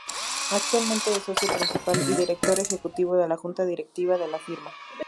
Actualmente es socio principal y director ejecutivo de la Junta Directiva de la firma.